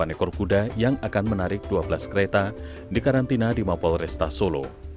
dua puluh delapan ekor kuda yang akan menarik dua belas kereta dikarantina di mapolresta solo